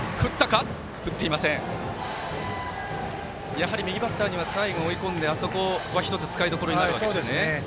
やはり右バッターには最後、追い込んであそこは１つ使いどころになるんですね。